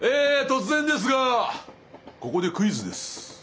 突然ですがここでクイズです。